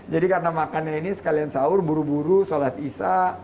karena makannya ini sekalian sahur buru buru sholat isya